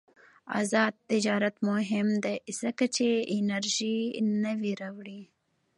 آزاد تجارت مهم دی ځکه چې انرژي نوې راوړي.